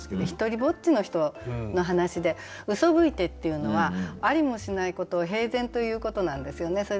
ひとりぼっちの人の話で「うそぶいて」っていうのはありもしないことを平然と言うことなんですよね。